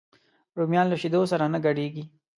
رومیان له شیدو سره نه ګډېږي